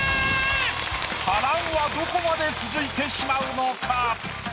波乱はどこまで続いてしまうのか？